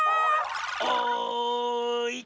はい！